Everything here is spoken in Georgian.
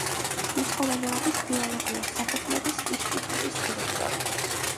მეცხოველეობის ბიოლოგიურ საფუძვლების ინსტიტუტის დირექტორი.